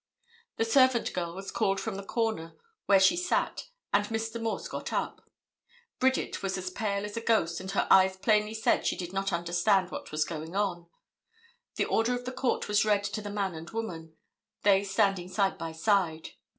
The servant girl was called from the corner where she sat, and Mr. Morse got up. Bridget was as pale as a ghost and her eyes plainly said she did not understand what was going on. The order of the Court was read to the man and woman, they standing side by side.